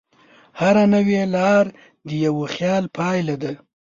هره نوې لار د یوه خیال پایله ده.